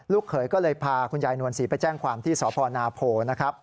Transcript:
เขยก็เลยพาคุณยายนวลศรีไปแจ้งความที่สพนาโพนะครับ